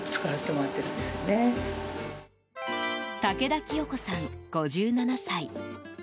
武田清子さん、５７歳。